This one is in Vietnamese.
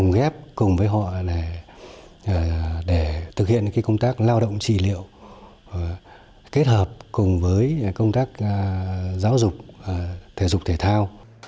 giáo dục thể dục thể thao